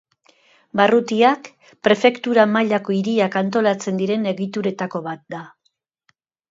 Barrutiak, prefektura mailako hiriak antolatzen diren egituretako bat da.